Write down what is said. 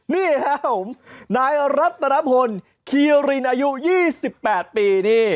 นี่ครับผมนายรัตนพลคีรินอายุ๒๘ปีนี่